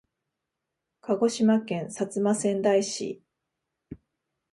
鹿児島県薩摩川内市